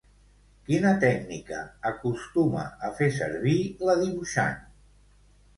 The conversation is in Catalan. Quina tècnica acostuma a fer servir la dibuixant?